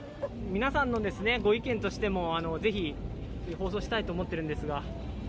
皆さんのご意見としても、ぜひ放送したいと思っているんですが。